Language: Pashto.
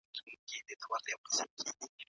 بدلون له ځانه پيليږي.